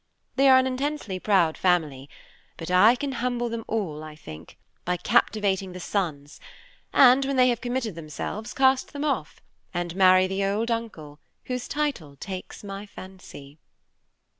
They are an intensely proud family, but I can humble them all, I think, by captivating the sons, and when they have committed themselves, cast them off, and marry the old uncle, whose title takes my fancy."